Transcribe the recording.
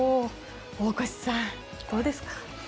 大越さん、どうですか。